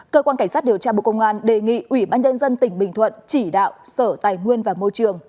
cơ quan cảnh sát điều tra bộ công an đề nghị ủy ban nhân dân tỉnh bình thuận chỉ đạo sở tài nguyên và môi trường